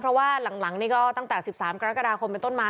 เพราะว่าหลังนี่ก็ตั้งแต่๑๓กรกฎาคมเป็นต้นมา